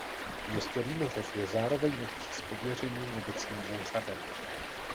Město Rýmařov je zároveň obcí s pověřeným obecním úřadem.